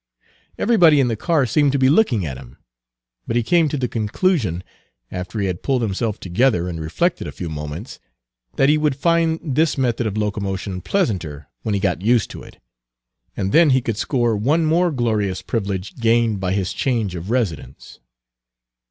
Everybody in the car seemed to be looking at him. But he came to the conclusion, after he had pulled himself together and reflected a few moments, that he would find this Page 233 method of locomotion pleasanter when he got used to it, and then he could score one more glorious privilege gained by his change of residence.